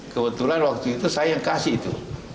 kebetulan waktu itu saya yang kasih itu